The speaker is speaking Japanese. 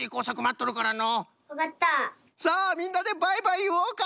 さあみんなでバイバイいおうか。